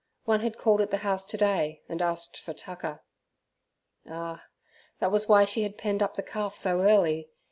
One had called at the house today, and asked for tucker. Ah! that was why she had penned up the calf so early!